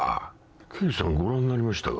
刑事さんもご覧になりましたか。